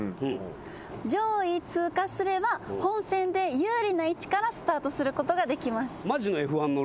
上位通過すれば本戦で有利な位置からスタートすることができます。